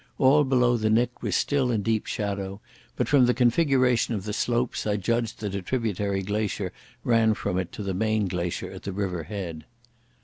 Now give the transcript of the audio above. All below the nick was still in deep shadow, but from the configuration of the slopes I judged that a tributary glacier ran from it to the main glacier at the river head.